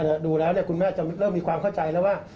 ดูแล้วคุณแม่จะเริ่มมีความเข้าใจแล้วว่า